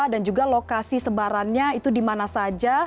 dan juga lokasi sebarannya itu di mana saja